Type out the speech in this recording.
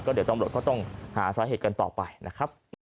ก็เดี๋ยวต้องหาสาเหตุกันต่อไปนะครับ